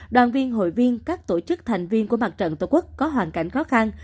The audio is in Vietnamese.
đoàn viên hội viên các tổ chức thành viên của mặt trận tổ quốc có hoàn cảnh khó khăn